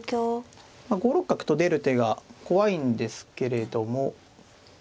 まあ５六角と出る手が怖いんですけれども。